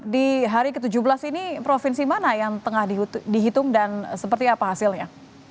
di hari ke tujuh belas ini provinsi mana yang tengah dihitung dan seperti apa hasilnya